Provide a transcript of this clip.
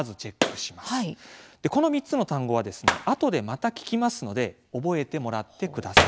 この３つの単語はですね後でまた聞きますので覚えてもらってください。